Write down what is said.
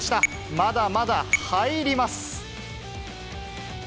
まだまだ入ります。